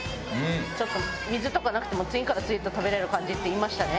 ちょっと「水とかなくても次から次へと食べられる感じ」って言いましたね？